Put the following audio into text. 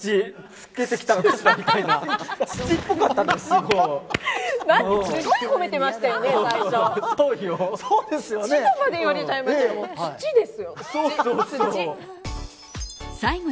すごい褒めてましたよね、最初。